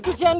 yuk ini kak